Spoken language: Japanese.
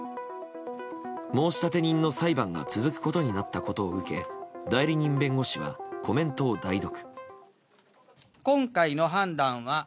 申立人の裁判が続くことになったことを受け代理人弁護士はコメントを代読。